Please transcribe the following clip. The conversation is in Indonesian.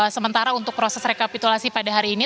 sementara untuk proses rekapitulasi pada hari ini